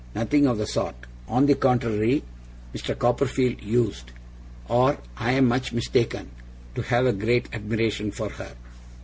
'Nothing of the sort. On the contrary, Mr. Copperfield used or I am much mistaken to have a great admiration for her.